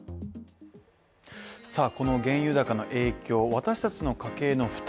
さあこの原油高の影響を私達の家計の負担